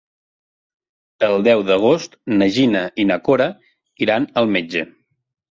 El deu d'agost na Gina i na Cora iran al metge.